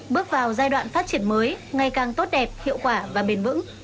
bước vào giai đoạn phát triển mới ngày càng tốt đẹp hiệu quả và bền vững